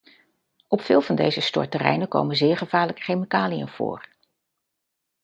Op veel van deze stortterreinen komen zeer gevaarlijke chemicaliën voor.